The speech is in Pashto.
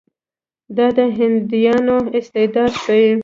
دا د هندیانو استعداد ښيي.